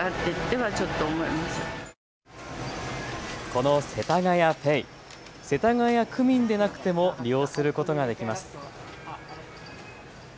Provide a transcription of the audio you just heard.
このせたがやＰａｙ、世田谷区民でなくても利用することができます。